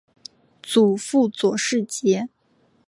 祖父左世杰。